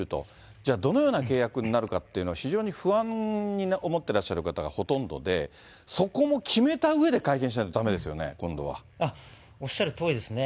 じゃあ、どのような契約になるのかというのを非常に不安に思ってらっしゃる方がほとんどで、そこも決めたうえで会見しないとだめですよね、おっしゃるとおりですね。